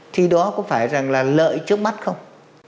thì đó có phải rằng là lợi trước mắt không